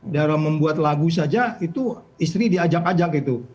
dalam membuat lagu saja itu istri diajak ajak gitu